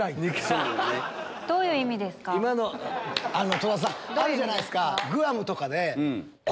戸田さんあるじゃないですか。